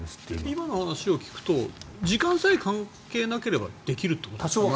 今の話を聞くと時間さえ関係なければできるってことですか？